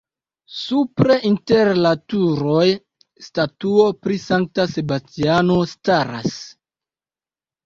Supre inter la turoj statuo pri Sankta Sebastiano staras.